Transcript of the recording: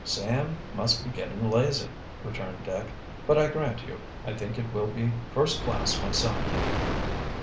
"Sam must be getting lazy," returned Dick. "But I grant you I think it will be first class myself."